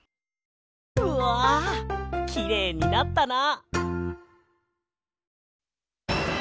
うわきれいになったな。